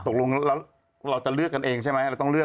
ตรงรงค์เราจะเลือกกันเองเราต้องเลือก